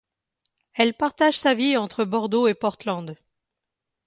Elle partage sa vie entre Bordeaux et Portland.